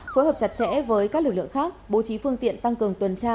phối hợp chặt chẽ với các lực lượng khác bố trí phương tiện tăng cường tuần tra